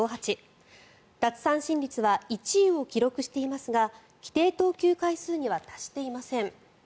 奪三振率は１位を記録していますが規定投球回数には達していません。